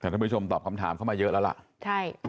ท่านผู้ชมตอบคำถามเข้ามาเยอะแล้วล่ะใช่